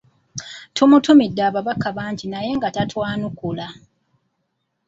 Tumutumidde ababaka bangi naye nga tatwanukula.